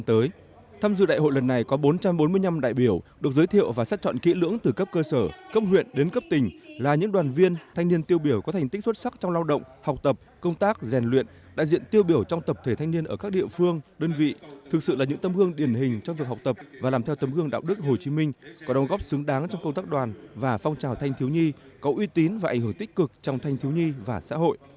tham dự đại hội lần này có bốn trăm bốn mươi năm đại biểu được giới thiệu và sát chọn kỹ lưỡng từ cấp cơ sở cấp huyện đến cấp tỉnh là những đoàn viên thanh niên tiêu biểu có thành tích xuất sắc trong lao động học tập công tác rèn luyện đại diện tiêu biểu trong tập thể thanh niên ở các địa phương đơn vị thực sự là những tâm hương điển hình trong việc học tập và làm theo tâm hương đạo đức hồ chí minh có đồng góp xứng đáng trong công tác đoàn và phong trào thanh thiếu nhi có uy tín và ảnh hưởng tích cực trong thanh thiếu nhi và xã hội